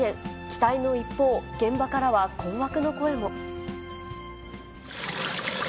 期待の一方、現場からは困惑の声も。